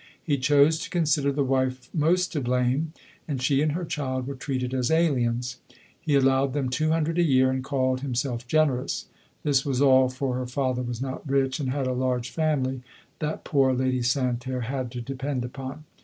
He chose to consider the wife most to blame, and she and her child were treated as aliens. He allowed them two hundred a year, and called himself generous. This was all (for her father was not rich, and had a large family) that poor Lady Santerre had to depend upon.